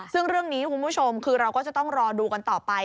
ซึ่งเรื่องนี้คุณผู้ชมคือเราก็จะต้องรอดูกันต่อไป